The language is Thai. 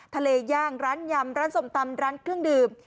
เลย่างร้านยำร้านส้มตำร้านเครื่องดื่ม